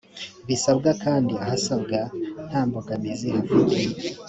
bisabwa kandi ahasabwa nta mbogamizi hafite